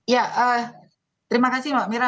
ya terima kasih mbak mira